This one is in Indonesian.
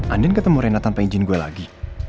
and ketemu rena tanpa izin gue lagi